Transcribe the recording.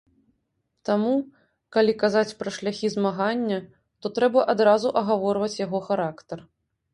Таму калі казаць пра шляхі змагання, то трэба адразу агаворваць яго характар.